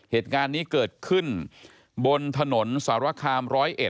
เหตุการณ์นี้เกิดขึ้นบนถนนสารคาม๑๐๑